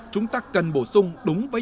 chúng ta cần bổ sung đúng với